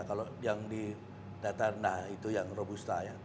kalau yang di data rendah itu yang robusta ya